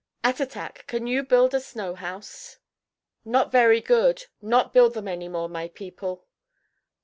Attatak, can you build a snow house?" "Not very good. Not build them any more, my people."